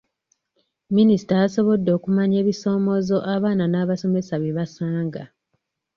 Minisita yasobodde okumanya ebisoomoozo abaana n'abasomesa bye basanga.